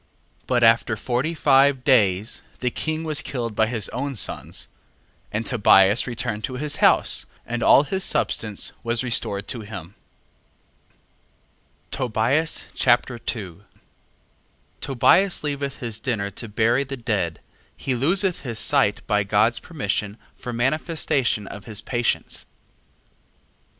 But after forty five days, the king was killed by his own sons. 1:25. And Tobias returned to his house, and all his substance was restored to him. Tobias Chapter 2 Tobias leaveth his dinner to bury the dead: he loseth his sight by God's permission, for manifestation of his patience. 2:1.